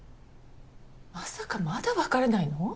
まさかまだ別れないの？